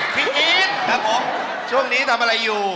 พี่อีทครับผมช่วงนี้ทำอะไรอยู่